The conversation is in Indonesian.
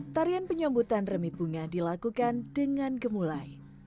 tarian penyambutan remit bunga dilakukan dengan gemulai